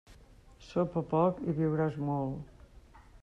Sopa poc, i viuràs molt.